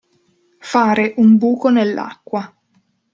Fare un buco nell'acqua.